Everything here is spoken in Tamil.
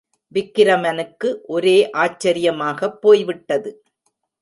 விக்கிரமனுக்கு ஒரே ஆச்சரியமாகப் போய்விட்டது.